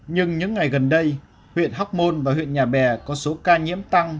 nhưng những ngày gần đây huyện hóc môn và huyện nhà bè có số ca nhiễm tăng